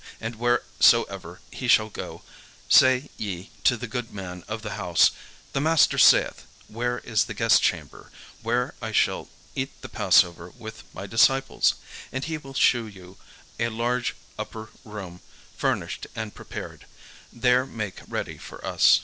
And wheresoever he shall go in, say ye to the good man of the house, 'The Master saith, "Where is the guestchamber, where I shall eat the passover with my disciples?"' And he will shew you a large upper room furnished and prepared: there make ready for us."